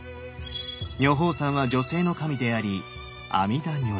女峰山は女性の神であり阿弥陀如来。